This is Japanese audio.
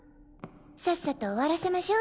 さっさと終わらせましょ。